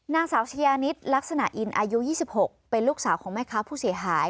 นางสาวชายานิดลักษณะอินอายุ๒๖เป็นลูกสาวของแม่ค้าผู้เสียหาย